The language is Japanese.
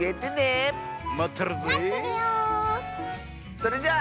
それじゃあ。